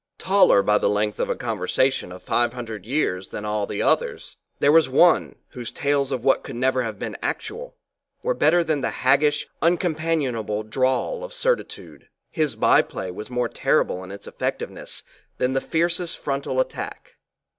Taller by the length of a conversation of five hundred years than all the others, there was one, whose tales of what could never have been actual were better than the haggish, uncompanionable drawl of certitude; his by play was more terrible in its effectiveness than the fiercest frontal attack.